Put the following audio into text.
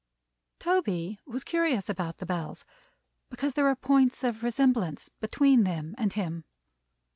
Toby was curious about the Bells because there were points of resemblance between them and him.